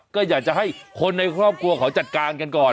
ก็อยากจะให้คนในครอบครัวเขาจัดการกันก่อน